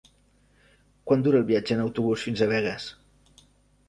Quant dura el viatge en autobús fins a Begues?